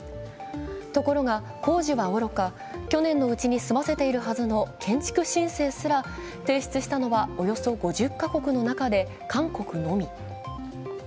ところが、工事はおろか去年のうちに済ませているはずの建設申請すら提出したのはおよそ５０か国の中で韓国のみ。